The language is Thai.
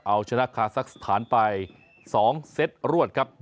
เอาชนะฮ่องคาซักษ์ฐานไป๒เซตรวดครับ